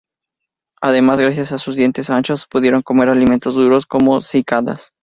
Además, gracias a sus dientes anchos, pudieron comer alimentos duros, como cícadas.